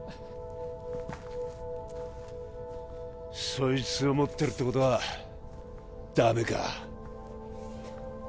そいつを持ってるってことはダメか？